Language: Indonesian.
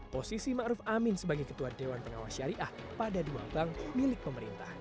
posisi ma'ruf amin sebagai ketua dewan pengawas syariah pada dua udang milik pemerintah